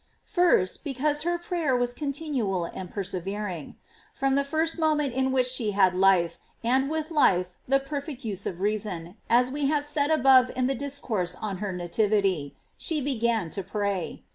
"f First, because her pray er was continual and persevering. From the first moment in which she had life, and with life the perfect use of reason, as we have said above in the Discourse on her Nativity, she began to pray.